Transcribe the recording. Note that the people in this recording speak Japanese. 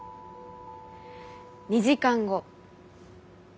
２時間後。